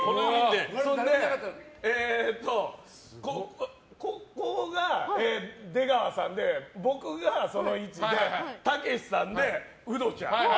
そんで、ここが出川さんで僕がその位置でたけしさんで、ウドちゃん。